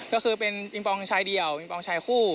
ก็คือเป็นอิงปองชายเดี่ยวอิงปองชายคู่